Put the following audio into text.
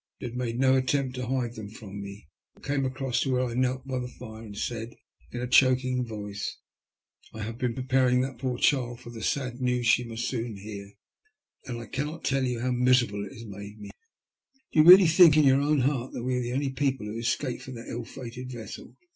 She made no attempt to hide them from me, but came across to where I knelt by the fire, and said, in a choking voice :*' I have been preparing that poor child for the sad news she must soon hear, and I cannot tell you how miserable it has made mcu Do you really think in your own heart that we are the only people who escaped from that ill fated vessel?